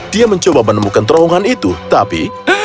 dia mencoba menemukan terowongan itu tapi